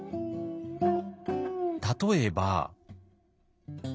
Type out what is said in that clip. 例えば。